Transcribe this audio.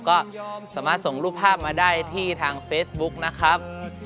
ก็สามารถส่งรูปภาพมาได้ที่ทางเฟซบุ๊กนะครับ